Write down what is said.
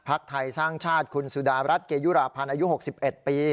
ไทยสร้างชาติคุณสุดารัฐเกยุราพันธ์อายุ๖๑ปี